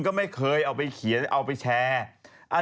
ก็ไม่เคยเอาไปเขียนเอาไปแชร์